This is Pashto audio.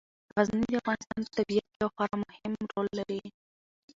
غزني د افغانستان په طبیعت کې یو خورا مهم رول لري.